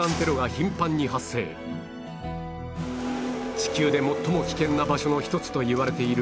地球で最も危険な場所の一つといわれている